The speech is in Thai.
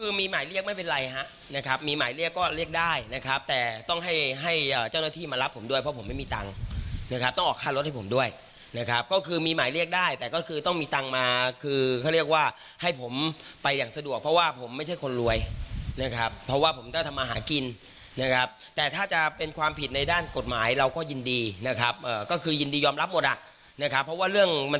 ขณะนี้มีคนมาจ้างเขาไปโปรโมทขายสินค้าหลายรายแล้วก็ให้ไปโปรโมทขายสินค้าหลายรายแล้วก็ให้ไปโปรโมทขายสินค้าหลายรายแล้วก็ให้ไปโปรโมทขายสินค้าหลายรายแล้วก็ให้ไปโปรโมทขายสินค้าหลายรายแล้วก็ให้ไปโปรโมทขายสินค้าหลายรายแล้วก็ให้ไปโปรโมทขายสินค้าหลายรายแล้วก็ให้ไปโปรโมทขายสินค้าหลายรายแล้วก็ให